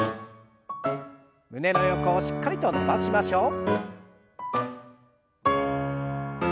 胸の横をしっかりと伸ばしましょう。